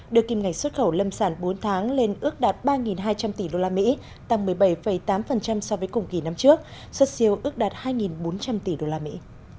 đưa kim ngạch xuất khẩu lâm sản bốn tháng lên ước đạt ba hai trăm linh tỷ usd tăng một mươi bảy tám so với cùng kỳ năm trước xuất siêu ước đạt hai bốn trăm linh tỷ đô la mỹ